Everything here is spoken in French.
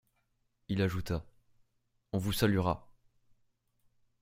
Il ajouta: — On vous saluera.